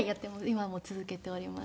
今も続けております。